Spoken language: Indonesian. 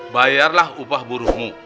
bayarlah upah buruhmu